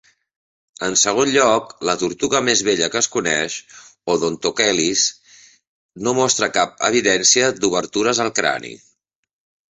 En segon lloc, la tortuga més vella que es coneix, Odontochelys, no mostra cap evidència d'obertures al crani.